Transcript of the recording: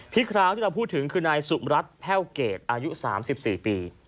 พี่คล้าวที่เราพูดถึงคือนายสุบรัฐแพร่วเกรดอายุสามสิบสี่ปี